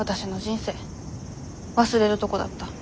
忘れるとこだった。